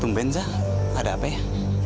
tungguin zah ada apa ya